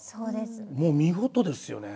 もう見事ですよね。